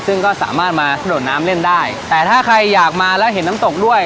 ซึ่งก็สามารถมาโดดน้ำเล่นได้แต่ถ้าใครอยากมาแล้วเห็นน้ำตกด้วย